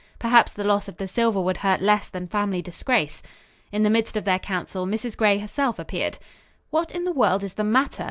Perhaps the loss of the silver would hurt less than family disgrace. In the midst of their council Mrs. Gray herself appeared. "What in the world is the matter?"